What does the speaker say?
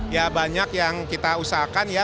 ya banyak yang kita usahakan ya